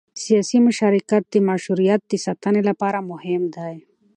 سیاسي مشارکت د مشروعیت د ساتنې لپاره مهم دی